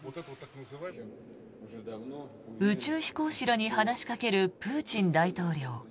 宇宙飛行士らに話しかけるプーチン大統領。